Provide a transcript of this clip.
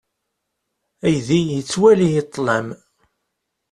Aydi yettwali i ṭṭlam.